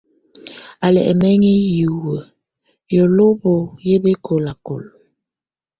Á lɛ́ ɛmɛŋɛ hiwǝ́, yolobo yɛ́ bɛ́kɔlakɔla.